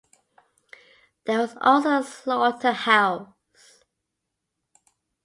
There was also a slaughter house.